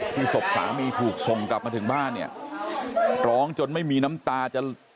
ศพสามีถูกส่งกลับมาถึงบ้านเนี่ยร้องจนไม่มีน้ำตาจะ